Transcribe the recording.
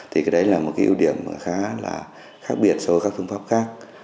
thì cái đấy là một cái ưu điểm khá là khác biệt so với các phương pháp khác